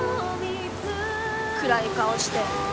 暗い顔して。